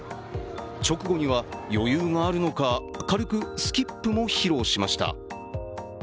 直後には余裕があるのか、軽くスキップも披露しました。